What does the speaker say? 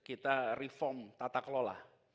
kita reform tata kelola